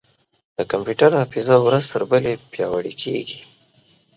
د کمپیوټر حافظه ورځ تر بلې پیاوړې کېږي.